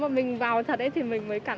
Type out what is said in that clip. cho mình khoác tay vào trước á